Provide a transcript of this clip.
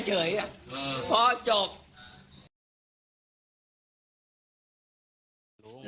เฉยพอจบ